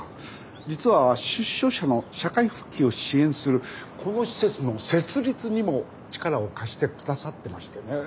実は出所者の社会復帰を支援するこの施設の設立にも力を貸してくださってましてねえ。